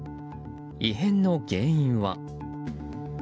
異変の原因は。